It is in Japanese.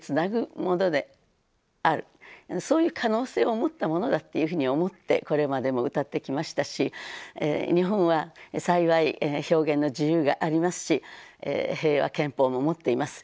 そういう可能性を持ったものだっていうふうに思ってこれまでも歌ってきましたし日本は幸い表現の自由がありますし平和憲法も持っています。